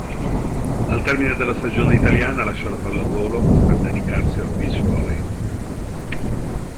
Al termine della stagione italiana lascia la pallavolo per dedicarsi al beach volley.